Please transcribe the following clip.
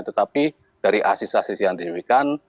tetapi dari asis asis yang diberikan